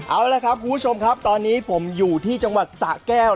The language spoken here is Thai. เอาละครับคุณผู้ชมครับตอนนี้ผมอยู่ที่จังหวัดสะแก้ว